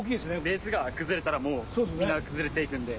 ベースが崩れたらもうみんな崩れていくんで。